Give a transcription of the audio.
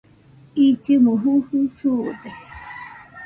illɨmo jujɨ susude